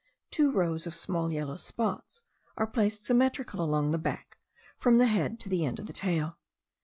Two rows of small yellow spots are placed symmetrically along the back, from the head to the end of the tail.